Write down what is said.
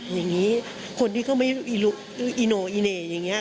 อย่างงี้คนที่ก็ไม่อิโนอิเน่อย่างเงี้ย